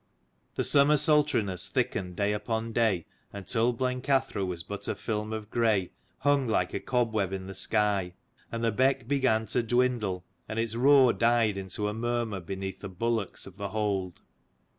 The summer sultriness thickened day upon day, until Blencathra was but a film of grey, hung like a cobweb in the sky : and the beck began to dwindle, and its roar died into a murmur beneath the bulwarks of the hold.